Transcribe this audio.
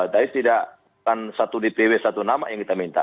tapi tidak bukan satu dpw satu nama yang kita minta